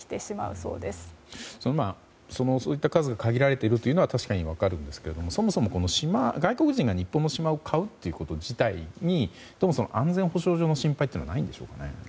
そういった数が限られているというのは確かに分かるんですけどそもそも外国人が日本の島を買うこと自体に安全保障上の心配というのはないんでしょうかね。